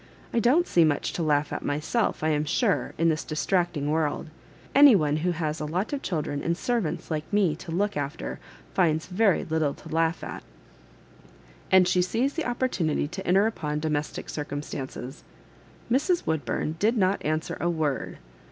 I don*t see much to laugh at myself, I am sure, in this distracting world ; any one who has a lot of children and servants like me to look after, finds very little to laugh at.'' And she seized the opportunity to enter upon domestic circumstances. Mrs. Woodburn did not answer a word.